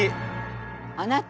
あなた！